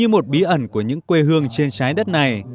như một bí ẩn của những quê hương trên trái đất này